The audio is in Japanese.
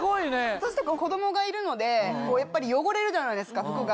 私とか子供がいるのでやっぱり汚れるじゃないですか服が。